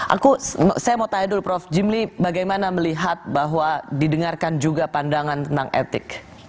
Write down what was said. aku saya mau tanya dulu prof jimli bagaimana melihat bahwa didengarkan juga pandangan tentang etik